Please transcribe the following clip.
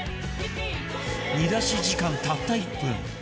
煮出し時間たった１分